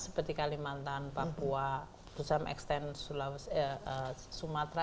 seperti kalimantan papua pusat mekstensi sumatra